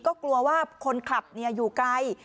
ก็กลัวว่าคนขับอยู่ไกล